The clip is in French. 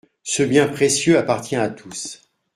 Ce bien précieux appartient à tous.